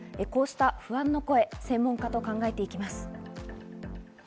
こうした不安の声、専門家と考えていきます。